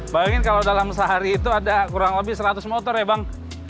bayangin kalau dalam sehari itu ada kurang lebih seratus motor ya bang